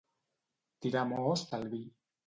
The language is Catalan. Tirar most al vi.